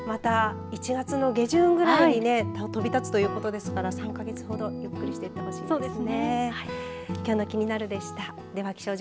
ここでゆっくり休めてまた１月の下旬ぐらいに飛び立つということですから３か月ほどゆっくりしていってほしいですね。